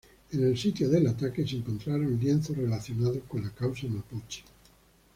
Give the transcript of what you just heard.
En el sitio del ataque se encontraron lienzos relacionados con la causa mapuche.